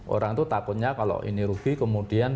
orang itu takutnya kalau ini rugi kemudian